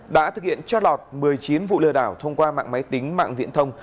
đã thực hiện trót lọt một mươi chín vụ lừa đảo thông qua mạng máy tính mạng viễn thông